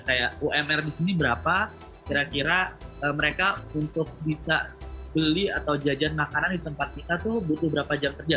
kayak umr di sini berapa kira kira mereka untuk bisa beli atau jajan makanan di tempat kita tuh butuh berapa jam kerja